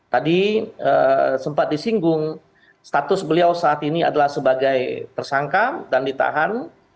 tadi sempat disinggung status beliau saat ini adalah sebagai tersangka dan ditahan